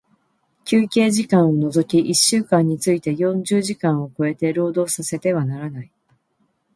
休憩時間を除き一週間について四十時間を超えて、労働させてはならない。